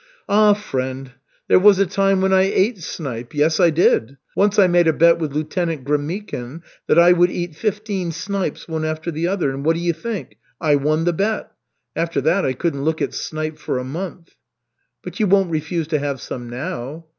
"Ah, friend, there was a time when I ate snipe. Yes, I did. Once I made a bet with Lieutenant Gremykin that I would eat fifteen snipes one after the other, and what do you think? I won the bet. After that I couldn't look at snipe for a month." "But you won't refuse to have some now?"